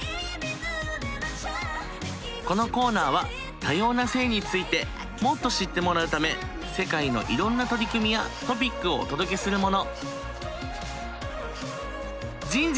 このコーナーは多様な性についてもっと知ってもらうため世界のいろんな取り組みやトピックをお届けするもの。